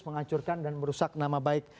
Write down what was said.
menghancurkan dan merusak nama baik